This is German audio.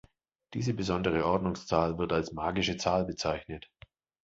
Diese besondere Ordnungszahl wird als "magische Zahl" bezeichnet.